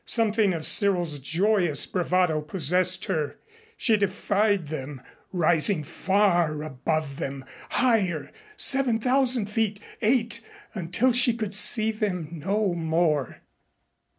Something of Cyril's joyous bravado possessed her. She defied them, rising far above them higher seven thousand feet eight, until she could see them no more.